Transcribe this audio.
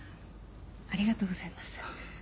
ありがとうございます。